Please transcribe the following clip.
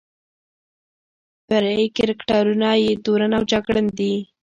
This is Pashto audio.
فرعي کرکټرونه یې تورن او جګړن دي.